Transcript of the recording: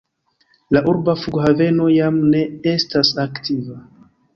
La urba flughaveno jam ne estas aktiva.